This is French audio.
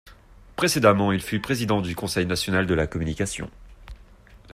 Précédemment il fut président du Conseil national de la communication.